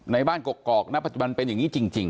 ในบ้านกกอกณปัจจุบันเป็นอย่างนี้จริง